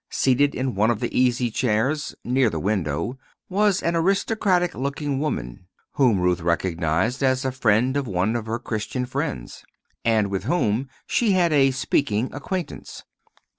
Seated in one of the easy chairs, near the window, was an aristocratic looking woman, whom Ruth recognized as a friend of one of her Christian friends, and with whom she had a speaking acquaintance.